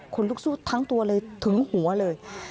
คุณลุกสู้ทั้งตัวเลยถึงหัวเลย